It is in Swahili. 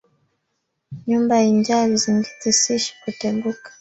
Nyumba injaa vizingiti sishi kuteguka